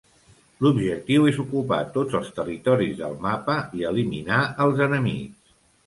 L'objectiu és ocupar tots els territoris del mapa i eliminar els enemics.